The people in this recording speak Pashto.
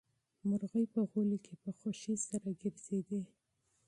مرغۍ په انګړ کې په خوښۍ سره ګرځېدې.